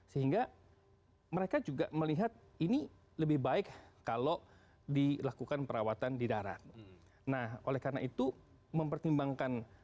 sehingga mereka juga melihat ini lebih baik kalau dilakukan perawatan di darat nah oleh karena itu mempertimbangkan